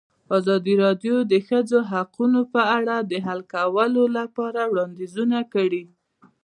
ازادي راډیو د د ښځو حقونه په اړه د حل کولو لپاره وړاندیزونه کړي.